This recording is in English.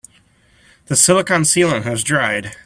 The silicon sealant has dried.